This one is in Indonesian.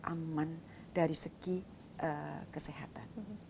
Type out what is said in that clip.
itu harus aman dari segi kesehatan